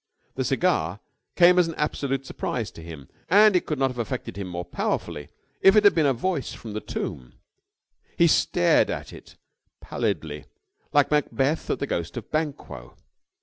The cigar came as an absolute surprise to him and it could not have affected him more powerfully if it had been a voice from the tomb. He stared at it pallidly, like Macbeth at the ghost of Banquo.